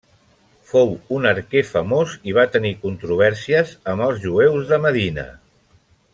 Fou un arquer famós i va tenir controvèrsies amb els jueus de Medina.